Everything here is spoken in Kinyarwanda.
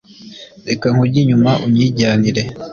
Reka nkujye inyuma unyijyanire,